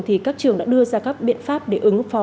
thì các trường đã đưa ra các biện pháp để ứng phó